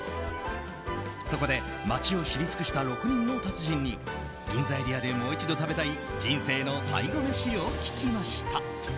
そこで、街を知り尽くした６人の達人に銀座エリアでもう一度食べたい人生の最後メシを聞きました。